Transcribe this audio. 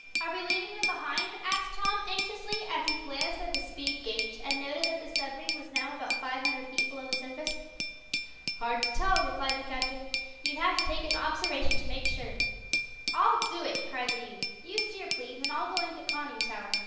"Are we leaving them behind?" asked Tom anxiously, as he glanced at the speed gage, and noted that the submarine was now about five hundred feet below the surface. "Hard to tell," replied the Captain. "You'd have to take an observation to make sure." "I'll do it," cried the youth. "You steer, please, and I'll go in the conning tower.